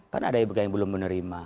kan ada yang belum menerima